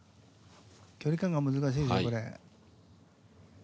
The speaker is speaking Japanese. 距離感が難しいねこれ。